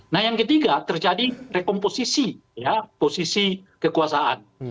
nah yang ketiga terjadi re komposisi ya posisi kekuasaan